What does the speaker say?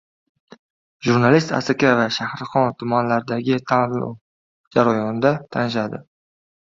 Jurnalistlar Asaka va Shahrixon tumanlaridagi xatlov jarayonlari bilan tanishdi